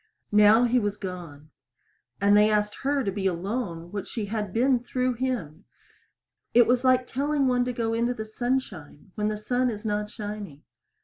Now he was gone; and they asked her to be alone what she had been through him. It was like telling one to go into the sunshine when the sun is not shining.